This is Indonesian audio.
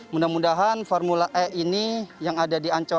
mudah mudahan formula e ini yang ada di ancol